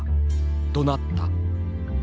どなった。